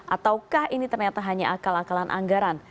ataukah ini ternyata hanya akal akalan anggaran